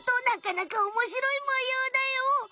なかなかおもしろいもようだよ！